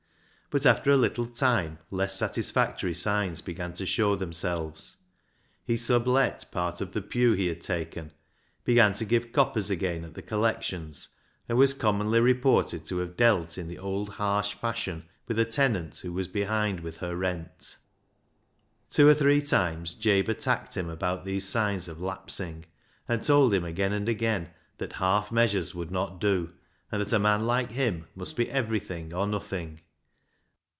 But after a little time less satisfactory signs began to show them selves. He sub let part of the pew he had taken, began to give coppers again at the collections, and was commonly reported to have dealt in the old harsh fashion with a tenant who was behind with her rent. Two or three times Jabe attacked him about these signs of lapsing, and told him again and again that half measures would not do, and that a man like him must be everything or nothing.